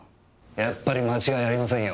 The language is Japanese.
やっぱり間違いありませんよ